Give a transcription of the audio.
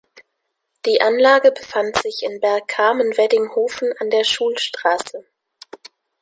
Die Anlage befand sich in Bergkamen-Weddinghofen an der "Schulstraße".